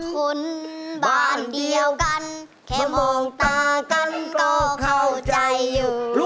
คนบ้านเดียวกันแค่มองตากันก็เข้าใจอยู่